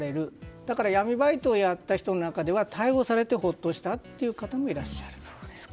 だから闇バイトをやった人の中では逮捕されてほっとしたという方もいます。